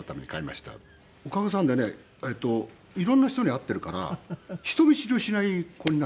おかげさんでね色んな人に会っているから人見知りをしない子になりましたね。